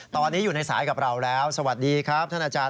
ตอนนี้อยู่ในสายกับเราแล้วสวัสดีครับท่านอาจารย์